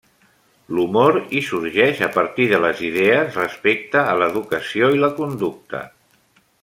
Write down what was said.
L'humor hi sorgeix a partir de les idees respecte a l'educació i la conducta.